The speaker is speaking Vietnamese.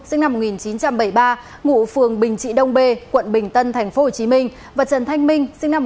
sinh năm một nghìn chín trăm bảy mươi ba ngụ phường bình trị đông b quận bình tân tp hcm và trần thanh minh sinh năm một nghìn chín trăm tám mươi